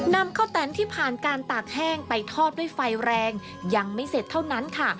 นำข้าวแตนที่ผ่านการตากแห้งไปทอดด้วยไฟแรงยังไม่เสร็จเท่านั้นค่ะ